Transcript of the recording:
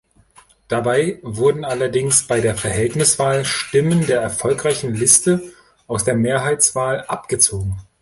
Dabei wurden allerdings bei der Verhältniswahl Stimmen der erfolgreichen Liste aus der Mehrheitswahl abgezogen.